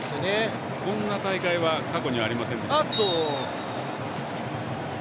こんな大会は過去にはありませんでした。